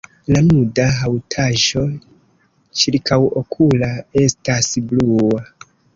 La nuda haŭtaĵo ĉirkaŭokula estas blua.